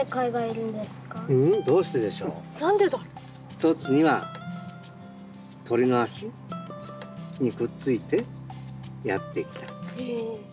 一つには鳥の足にくっついてやって来た。